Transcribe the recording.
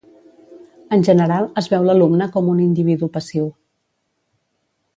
En general, es veu l'alumne com un individu passiu.